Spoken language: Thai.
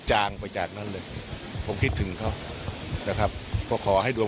จางไปจากนั้นเลยผมคิดถึงเขานะครับก็ขอให้ดวง